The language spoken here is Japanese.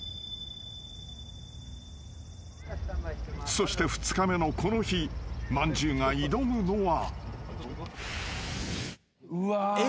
［そして２日目のこの日まんじゅうが挑むのは］